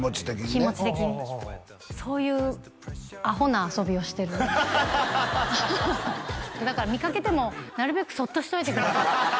気持ち的にそういうアホな遊びをしてるハハハだから見かけてもなるべくそっとしておいてください